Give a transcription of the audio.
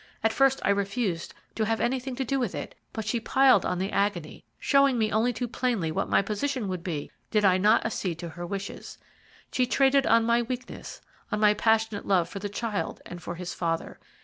At first I refused to have anything to do with it, but she piled on the agony, showing me only too plainly what my position would be did I not accede to her wishes. She traded on my weakness; on my passionate love for the child and for his father.